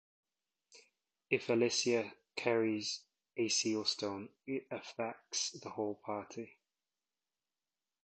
If Alicia carries a sealstone, it affects the whole party.